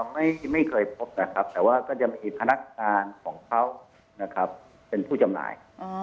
ไม่เคยพบนะครับแต่ว่าก็จะมีพนักงานของเขานะครับเป็นผู้จำหน่าย